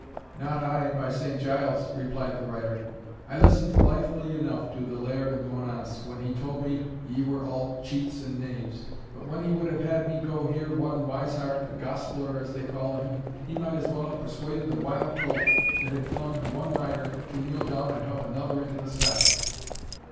"Not I, by Saint Giles," replied the rider; "I listened blithely enough to the Laird of Monance, when he told me ye were all cheats and knaves; but when he would have had me go hear one Wiseheart, a gospeller as they call him, he might as well have persuaded the wild colt that had flung one rider to kneel down and help another into the saddle."